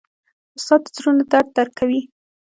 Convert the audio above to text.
استاد د زړونو درد درک کوي.